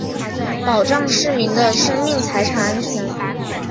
保障市民的生命财产安全